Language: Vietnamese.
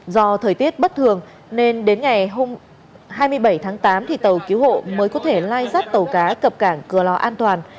do thời tiết bất thường nên đến ngày hai mươi bảy tháng tám tàu cứu hộ mới có thể lai rắt tàu cá cập cảng cửa lò an toàn